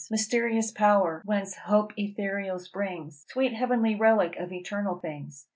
Mysterious power, whence hope ethereal springs! Sweet heavenly relic of eternal things!